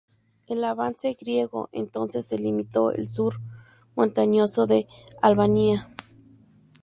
El avance griego, entonces, se limitó el sur montañoso de Albania.